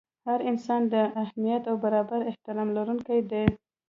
هر انسان د اهمیت او برابر احترام لرونکی دی.